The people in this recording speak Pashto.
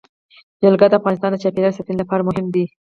جلګه د افغانستان د چاپیریال ساتنې لپاره مهم دي.